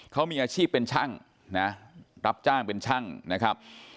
เขามีอาชีพเป็นช่างนะรับจ้างเป็นช่างนะครับ